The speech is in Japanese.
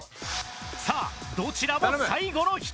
さあどちらも最後の１人。